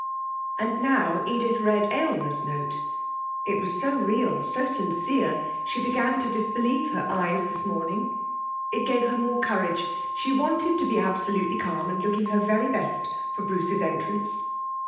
And now Edith read Aylmer's note it was so real, so sincere, she began to disbelieve her eyes this morning. It gave her more courage; she wanted to be absolutely calm, and looking her very best, for Bruce's entrance.